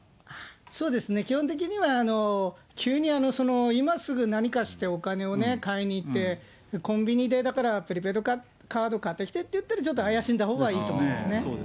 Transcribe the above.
そうですね、基本的には、急に今すぐ何かしてお金を買いに行って、コンビニで、だからプリペイドカード買って来てっていったら、ちょっと怪しんだほうがいいと思いますね。